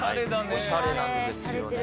おしゃれなんですよね。